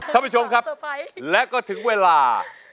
ท่านผู้ชมครับและก็ถึงเวลา